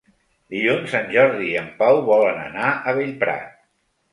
Dilluns en Jordi i en Pau volen anar a Bellprat.